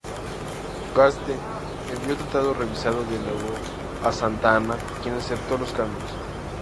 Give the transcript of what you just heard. Gadsden envió el tratado revisado de nuevo a Santa Anna, quien aceptó los cambios.